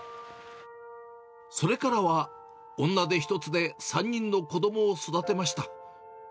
それからは、女手一つで３人の子どもを育てました。